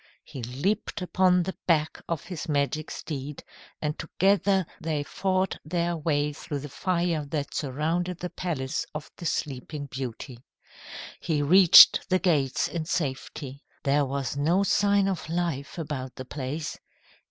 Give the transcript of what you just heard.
He leaped upon the back of his magic steed, and together they fought their way through the fire that surrounded the palace of the sleeping beauty. He reached the gates in safety. There was no sign of life about the place.